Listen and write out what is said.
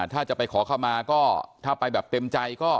ถ้าจะไปขอเข้ามาก็ถ้าไปแบบเต็มใจก็